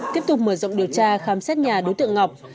tiếp tục mở rộng điều tra khám xét nhà đối tượng ngọc